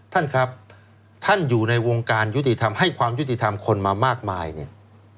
ท่านครับท่านอยู่ในวงการยุติธรรมให้ความยุติธรรมคนมามากมายเนี่ย